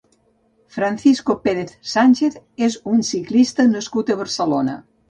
Francisco Pérez Sánchez és un ciclista nascut a Barcelona.